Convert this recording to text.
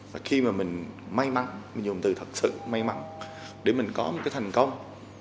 và khi mà mình may mắn mình dùng từ thật sự may mắn để mình có một cái thành công